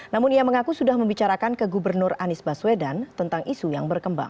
namun ia mengaku sudah membicarakan ke gubernur anies baswedan tentang isu yang berkembang